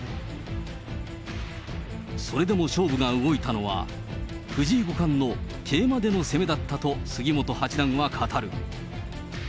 それでも勝負が動いたのは、藤井五冠の桂馬での攻めだったと、杉本八段は語る。